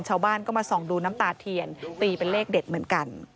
ชาวบ้านก็มาส่องดูน้ำตาเทียนตีเป็นเลขเด็ดเหมือนกัน